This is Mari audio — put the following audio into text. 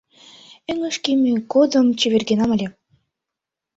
Эҥыж кӱмӧ годым чевергенам ыле